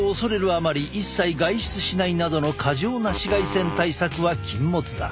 あまり一切外出しないなどの過剰な紫外線対策は禁物だ。